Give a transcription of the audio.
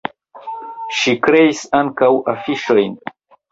Ŝi kreis ankaŭ afiŝojn.